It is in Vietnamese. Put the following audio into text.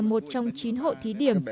một trong chín hộ thí điểm